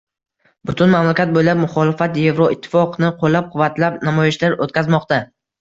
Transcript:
Butun mamlakat bo‘ylab muxolifat Yevroittifoqni qo‘llab-quvvatlab namoyishlar o‘tkazmoqda